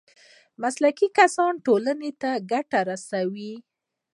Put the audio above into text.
مسلکي کسان ټولنې ته ګټه رسوي